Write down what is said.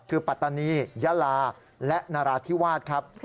คือปัตตานียะลาและนราธิวาสครับ